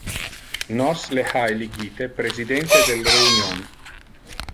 Nos le ha eligite presidente del reunion.